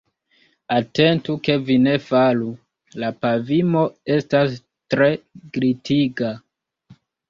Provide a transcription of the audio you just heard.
Atentu ke vi ne falu, la pavimo estas tre glitiga.